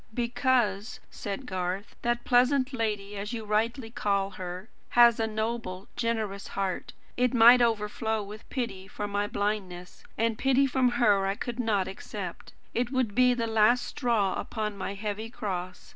"Because," said Garth, "that pleasant lady, as you rightly call her, has a noble, generous heart, and it might overflow with pity for my blindness; and pity from her I could not accept. It would be the last straw upon my heavy cross.